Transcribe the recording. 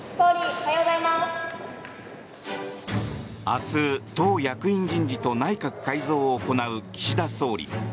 明日、党役員人事と内閣改造を行う岸田総理。